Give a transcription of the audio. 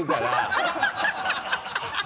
ハハハ